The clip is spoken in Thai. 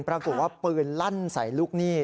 ปรากฏว่าปืนลั่นใส่ลูกหนี้